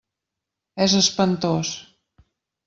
És espantós.